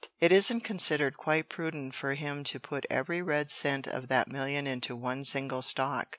It isn't considered quite prudent for him to put every red cent of that million into one single stock.